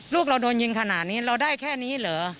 ลูกเราโดนยิงขนาดนี้เราได้แค่นี้เหรอ